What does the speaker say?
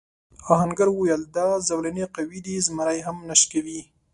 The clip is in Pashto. آهنګر وویل دا زولنې قوي دي زمری هم نه شکوي.